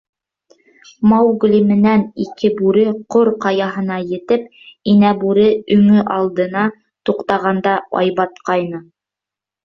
Маугли менән ике бүре Ҡор Ҡаяһына етеп, Инә Бүре өңө алдына туҡтағанда, ай батҡайны.